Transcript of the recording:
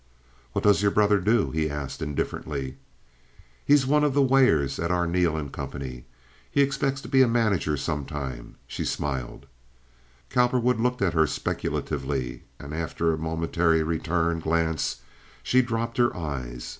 "What does your brother do?" he asked, indifferently. "He's one of the weighers at Arneel & Co. He expects to be a manager sometime." She smiled. Cowperwood looked at her speculatively, and after a momentary return glance she dropped her eyes.